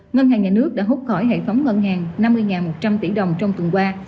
ngân hàng nhà nước đã hút khỏi hệ thống ngân hàng năm mươi một trăm linh tỷ đồng trong tuần qua